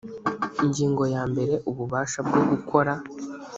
ingingo ya mbere ububasha bwo gukora